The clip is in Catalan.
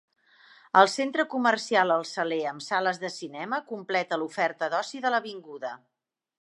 El centre comercial El Saler amb sales de cinema completa l'oferta d'oci de l'avinguda.